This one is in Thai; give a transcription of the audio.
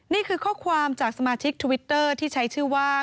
นี่คือข้อความจากสมาชิกทวิตเตอร์ที่ใช้ชื่อว่า